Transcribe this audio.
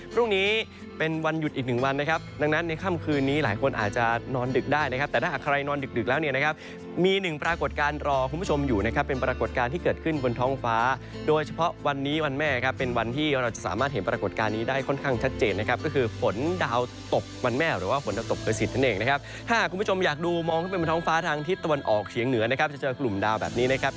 พรุ่งนี้เป็นวันหยุดอีกหนึ่งวันนะครับดังนั้นในค่ำคืนนี้หลายคนอาจจะนอนดึกได้นะครับแต่ถ้าใครนอนดึกแล้วเนี่ยนะครับมีหนึ่งปรากฏการณ์รอคุณผู้ชมอยู่นะครับเป็นปรากฏการณ์ที่เกิดขึ้นบนท้องฟ้าโดยเฉพาะวันนี้วันแม่นะครับเป็นวันที่เราจะสามารถเห็นปรากฏการณ์นี้ได้ค่อนข้างชัดเจนนะครับก็คื